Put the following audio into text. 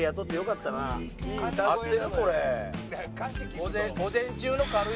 これ。